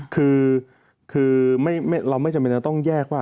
คือเราไม่จำเป็นจะต้องแยกว่า